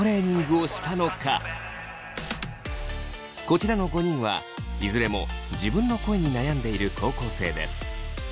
こちらの５人はいずれも自分の声に悩んでいる高校生です。